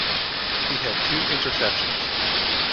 He had two interceptions.